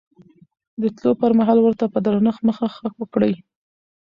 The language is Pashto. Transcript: د تلو پر مهال ورته په درنښت مخه ښه وکړئ.